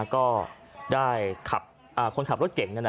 ก็ได้คนขับรถเก่ง